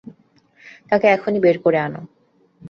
তাকে এখনই বের করে আনো।